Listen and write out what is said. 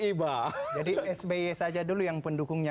iba jadi sby saja dulu yang pendukungnya